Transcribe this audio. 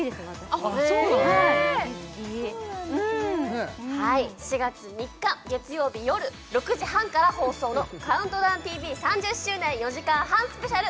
はい４月３日月曜日よる６時半から放送の「ＣＤＴＶ３０周年４時間半スペシャル」